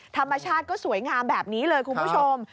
ธรรมชาติก็สวยงามแบบนี้เลยคุณผู้ชม